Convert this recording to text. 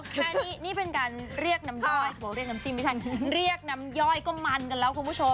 แค่นี้นี่เป็นการเรียกน้ำย่อยเรียกน้ำย่อยก็มันกันแล้วคุณผู้ชม